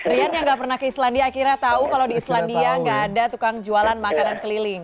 rian yang gak pernah ke islandia akhirnya tahu kalau di islandia nggak ada tukang jualan makanan keliling